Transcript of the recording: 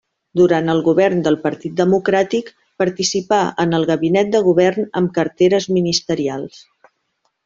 Durant el govern del Partit Democràtic participà en el gabinet de govern amb carteres ministerials.